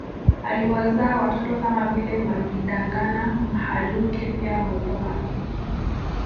Aliwazaa watoto kama vile Magidangana Mhalwike pia Mupoma